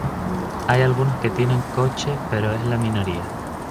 Hay algunos que tienen coche pero es la minoría.